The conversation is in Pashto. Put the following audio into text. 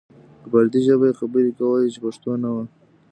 په پردۍ ژبه یې خبرې کولې چې پښتو نه وه.